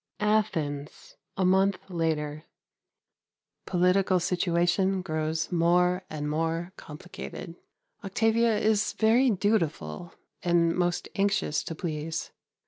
Athens, a month later. Political situation grows more and more complicated. Octavia is very dutiful and most anxious to please.